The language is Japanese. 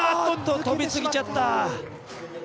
跳びすぎちゃった。